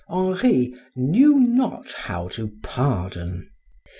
Henri knew not how to pardon.